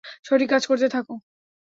সঠিক কাজ করতে থাকো।